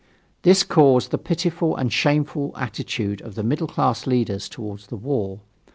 This caused the pitiful and truly shameful attitude of the middle class leaders towards the war.